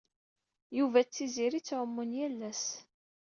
Yuba d Tiziri ttɛumun yal ass.